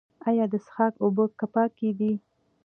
آیا د څښاک اوبه پاکې دي؟